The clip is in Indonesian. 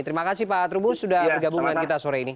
terima kasih pak trubus sudah bergabung dengan kita sore ini